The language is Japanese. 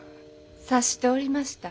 察しておりました。